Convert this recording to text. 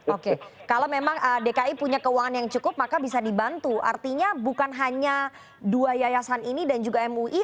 oke kalau memang dki punya keuangan yang cukup maka bisa dibantu artinya bukan hanya dua yayasan ini dan juga mui